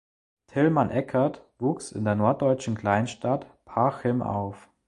Tillmann Eckardt wuchs in der norddeutschen Kleinstadt Parchim auf.